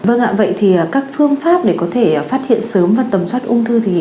vâng ạ vậy thì các phương pháp để có thể phát hiện sớm và tầm soát ung thư